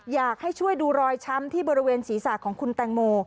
อยากให้ช่วยดูรอยช้ำที่บริเวณศีรษะของคุณแตงโม